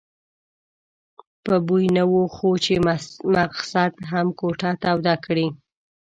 په بوی نه وو خو چې مسخد هم کوټه توده کړي.